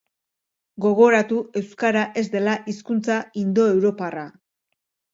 Gogoratu euskara ez dela hizkuntza indoeuroparra.